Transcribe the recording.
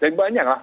jadi banyak lah